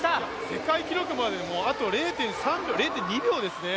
世界記録まであと０．２秒ですね。